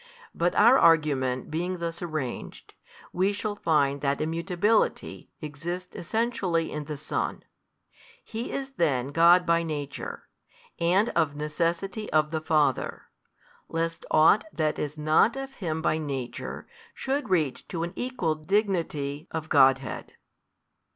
But our argument being thus arranged, we shall find that Immutability exists Essentially in the Son: He is then God by Nature, and of necessity of the Father, lest ought that is not of Him by Nature should reach to an equal dignity of Godhead.